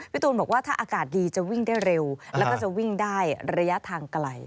ตูนบอกว่าถ้าอากาศดีจะวิ่งได้เร็วแล้วก็จะวิ่งได้ระยะทางไกล